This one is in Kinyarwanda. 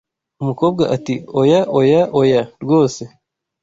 Umukobwa ati oya oya oya rwose